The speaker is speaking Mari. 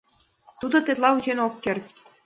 Тудо тетла вучен ок керт.